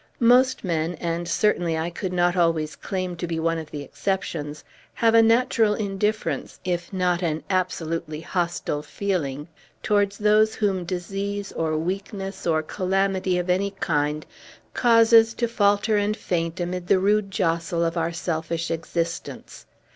Most men and certainly I could not always claim to be one of the exceptions have a natural indifference, if not an absolutely hostile feeling, towards those whom disease, or weakness, or calamity of any kind causes to falter and faint amid the rude jostle of our selfish existence.